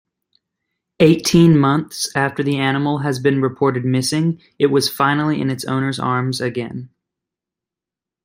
Eighteen months after the animal has been reported missing it was finally in its owner's arms again.